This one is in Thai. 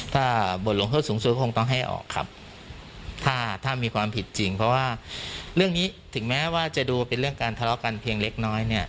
ถ้าบทลงโทษสูงสุดคงต้องให้ออกครับถ้าถ้ามีความผิดจริงเพราะว่าเรื่องนี้ถึงแม้ว่าจะดูเป็นเรื่องการทะเลาะกันเพียงเล็กน้อยเนี่ย